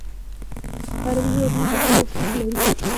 عربي هیوادونو کې ډیر لوستونکي لري.